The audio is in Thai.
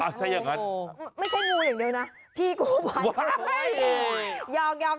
ไม่ใช่งูอย่างเดียวน่ะที่กูพายคือหนู